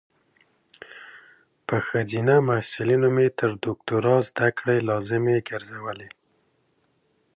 په خځینه محصلینو مې تر دوکتوری ذدکړي لازمي ګرزولي